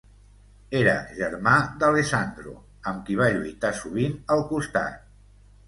Era germà d'Alessandro, amb qui va lluitar sovint al costat.